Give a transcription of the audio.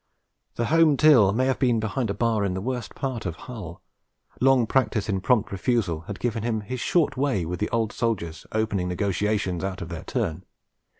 The home till may have been behind a bar in the worst part of Hull, long practice in prompt refusal have given him his short way with old soldiers opening negotiations out of their turn.